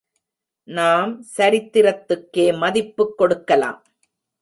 நாம் சரித்திரத்துக்கே மதிப்புக் கொடுக்கலாம்.